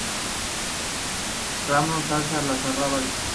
Ramón Salas Larrazábal.